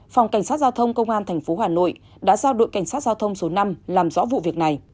phòng cảnh sát giao thông công an tp hà nội đã giao đội cảnh sát giao thông số năm làm rõ vụ việc này